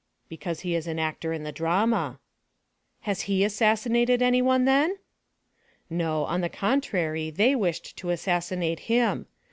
"Because he is an actor in the drama." "Has he assassinated anyone, then?" "No, on the contrary, they wished to assassinate him.